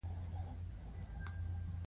ټینګار وکړ.